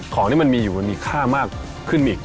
ของที่มันมีอยู่มันมีค่ามากขึ้นอีก